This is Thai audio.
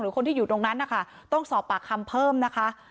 คนที่อยู่ตรงนั้นนะคะต้องสอบปากคำเพิ่มนะคะ